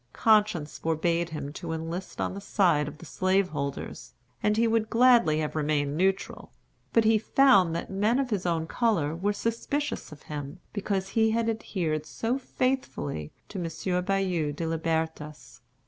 Conscience forbade him to enlist on the side of the slaveholders, and he would gladly have remained neutral; but he found that men of his own color were suspicious of him, because he had adhered so faithfully to M. Bayou de Libertas.